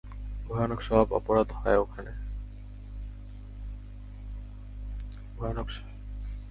ভয়ানক সব অপরাধ হয় ওখানে।